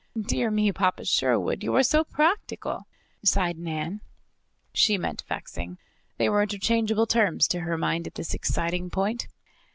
"Dear me, Papa Sherwood, you are so practical!" sighed Nan. She meant "vexing;" they were interchangeable terms to her mind at this exciting point.